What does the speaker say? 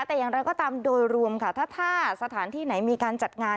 แต่อย่างไรก็ตามโดยรวมค่ะถ้าสถานที่ไหนมีการจัดงาน